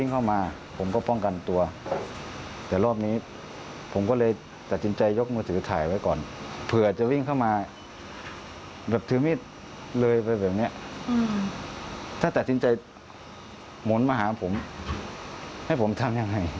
ให้ผมทำยังไง